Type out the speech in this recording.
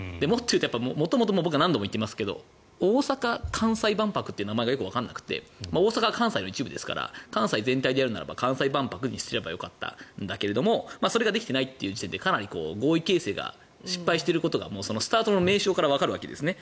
僕は元々何度も言っていますが大阪・関西万博という名前がよくわからなくて大阪は関西の一部ですから関西の全体でやるなら関西万博にすればよかったんだけどそれができていない時点でかなり合意形成が失敗していることがそのスタートの名称からわかるわけですね。